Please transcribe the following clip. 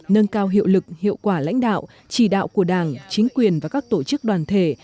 nâng cao hiệu lực hiệu quả lãnh đạo chỉ đạo của đảng chính quyền và các tổ chức đoàn thể